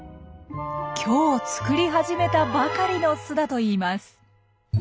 今日作り始めたばかりの巣だといいます。